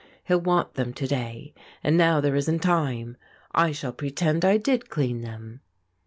He'll want them to day, and now there isn't time. I shall pretend I did clean them."